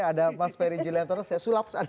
ada mas ferry julianto sulap ada di tengah tengah kita